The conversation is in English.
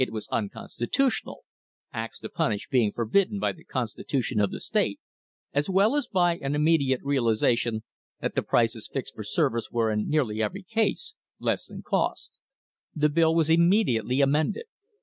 THE HISTORY OF THE STANDARD OIL COMPANY unconstitutional acts to punish being forbidden by the con stitution of the state as well as by an immediate realisation that the prices fixed for services were in nearly every case less than cost. The bill was immediately amended.